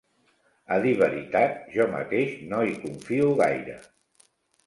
A dir veritat, jo mateix no hi confio gaire.